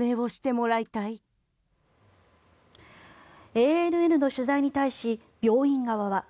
ＡＮＮの取材に対し病院側は。